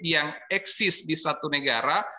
yang eksis di satu negara